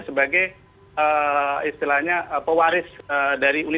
sebagai istilahnya pewaris dari universitas